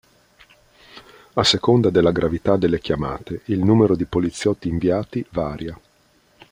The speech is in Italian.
A seconda della gravità delle chiamate, il numero di poliziotti inviati varia.